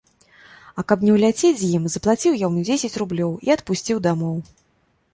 А каб не ўляцець з ім, заплаціў яму дзесяць рублёў і адпусціў дамоў.